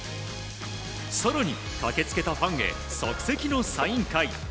更に、駆け付けたファンヘ即席のサイン会。